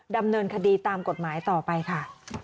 ดำเนินคดีตามกฎหมายต่อไปค่ะ